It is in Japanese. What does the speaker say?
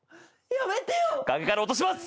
崖から落とします。